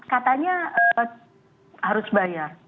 katanya harus bayar